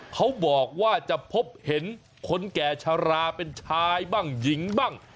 เขาบอกว่าจะพบเห็นคนแก่ชะลาเป็นชายบ้างหญิงบ้าง